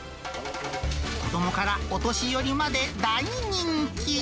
子どもからお年寄りまで大人気。